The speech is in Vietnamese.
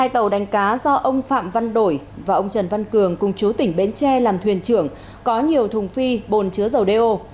hai tàu đánh cá do ông phạm văn đổi và ông trần văn cường cùng chú tỉnh bến tre làm thuyền trưởng có nhiều thùng phi bồn chứa dầu đeo